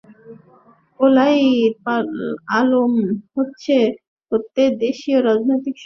পোল-ই আলম হচ্ছে প্রদেশটির রাজধানী শহর।